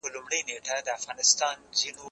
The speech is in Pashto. زه اوږده وخت کتابونه ليکم؟